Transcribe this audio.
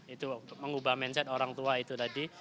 itu mengubah mindset orang tua itu tadi